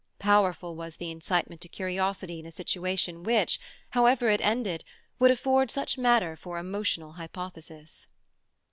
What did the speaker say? Powerful was the incitement to curiosity in a situation which, however it ended, would afford such matter for emotional hypothesis.